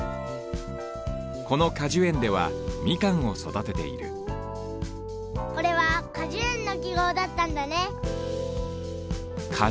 この果樹園ではみかんをそだてているこれは果樹園のきごうだったんだね！